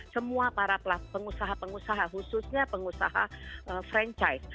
semua para pengusaha pengusaha khususnya pengusaha franchise